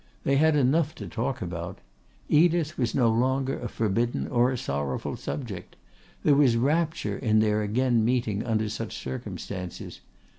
They had enough to talk about. Edith was no longer a forbidden or a sorrowful subject. There was rapture in their again meeting under such circumstances.